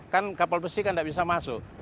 kan kapal besi kan tidak bisa masuk